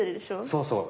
そうそう。